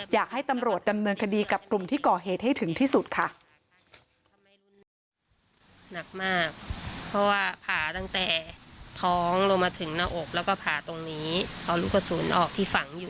อยากให้ตำรวจดำเนินคดีกับกลุ่มที่ก่อเหตุให้ถึงที่สุดค่ะ